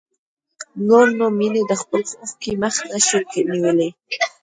نور نو مينې د خپلو اوښکو مخه نه شوای نيولی.